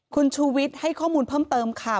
คุณชูวิทย์ให้ข้อมูลเพิ่มเติมค่ะ